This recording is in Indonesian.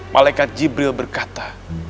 malaikat jibril berkata